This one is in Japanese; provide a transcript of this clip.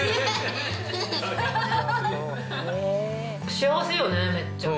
幸せよね、めっちゃ今。